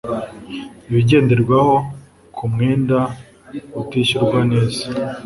Ibigenderwaho ku mwenda utishyurwa neza